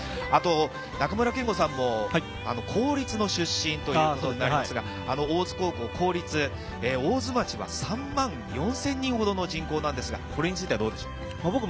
あと中村憲剛さんも、公立の出身ということになるんですが、大津高校、公立、大津町は３万４０００人ほどの人口なんですが、これについてはどうでしょう？